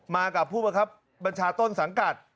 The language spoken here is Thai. มากับผู้บังคับบัญชาต้นสังกัด